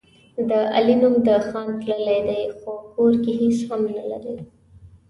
د علي نوم د خان تللی دی، خو کور کې هېڅ هم نه لري.